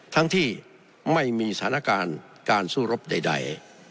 ทั้งที่ไม่มีสถานการณ์การสู้รบใด